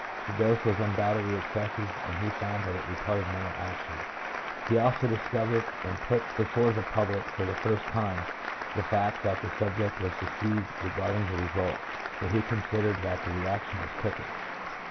The dose was undoubtedly ex cessive, and he found that it retarded mental action ; he also discovered and put before the public for the first time the fact that the subject was deceived re garding the result, for he considered that the reaction was quicker.